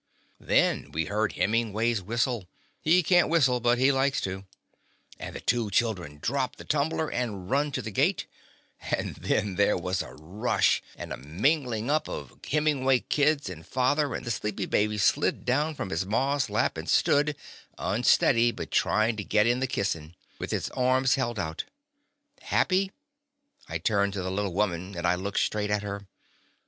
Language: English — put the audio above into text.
Then we heard Hemingway's whis tle — ^he can't whistle, but he likes to — and the two children dropped the tumbler, and run to the gate, and then J there was a rush, and a mingling up of \' The Confessions of a Daddy Hemingway kids and father, and the sleepy baby slid down from its ma's lap and stood, unsteady but tryin' to git in the kissing, with its arms held out. Happy? I turned to the little woman, and I looked straight at her.